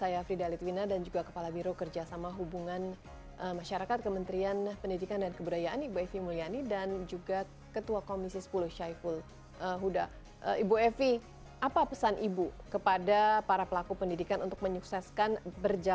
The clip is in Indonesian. apa perjalanannya kebijakan pemerintah ini melalui keputusan bersama empat menteri yang baru saja terbit